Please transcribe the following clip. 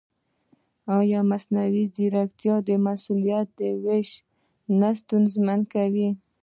ایا مصنوعي ځیرکتیا د مسؤلیت وېش نه ستونزمن کوي؟